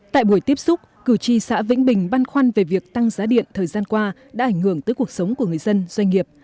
tại buổi tiếp xúc cử tri xã vĩnh bình băn khoăn về việc tăng giá điện thời gian qua đã ảnh hưởng tới cuộc sống của người dân doanh nghiệp